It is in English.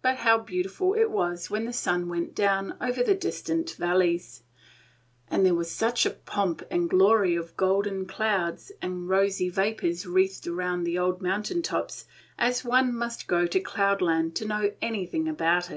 but how beautiful it was when the sun went down over the distant valleys! and there was such a pomp and glory of golden clouds and rosy vapors wreathing around the old mountain tops as one must go to Cloudland to know anything about.